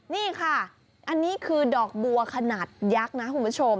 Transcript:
นี่ค่ะอันนี้คือดอกบัวขนาดยักษ์นะคุณผู้ชม